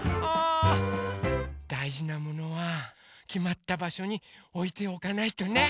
だいじなものはきまったばしょにおいておかないとね！